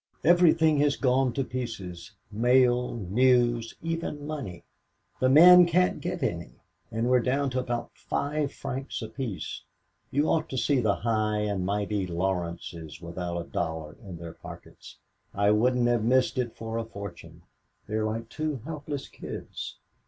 "Everything has gone to pieces, mail news even money. The men can't get any, and we're down to about five francs apiece. You ought to see the high and mighty Laurences without a dollar in their pockets I wouldn't have missed it for a fortune. They are like two helpless kids.